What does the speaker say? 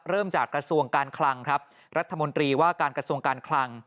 จากกระทรวงการคลังครับรัฐมนตรีว่าการกระทรวงการคลัง